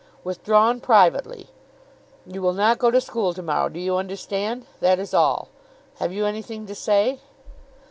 "Withdrawn privately. You will not go to school to morrow. Do you understand? That is all. Have you anything to say?"